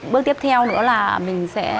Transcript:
bước tiếp theo nữa là mình sẽ